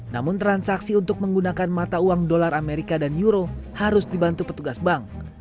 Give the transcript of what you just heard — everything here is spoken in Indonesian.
namun transaksi untuk menggunakan mata uang dolar amerika dan euro harus dibantu petugas bank